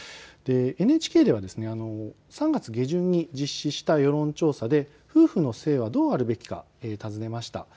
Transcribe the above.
ＮＨＫでは３月下旬に実施した世論調査で夫婦の姓はどうあるべきか尋ねました。